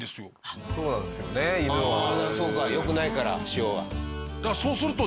あそうかよくないから塩は。